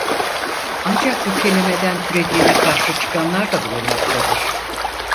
Ancak bu kelimeden türediğine karşı çıkanlar da bulunmaktadır.